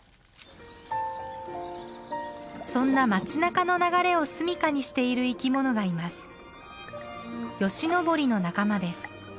そんな町なかの流れを住みかにしている生き物がいます。